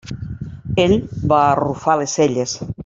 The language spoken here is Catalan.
Ell va arrufar les celles.